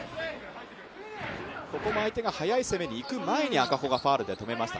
ここも相手が速い攻めにいく前に赤穂が止めました。